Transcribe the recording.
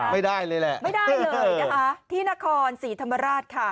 ไม่ได้เลยแหละไม่ได้เลยนะคะที่นครศรีธรรมราชค่ะ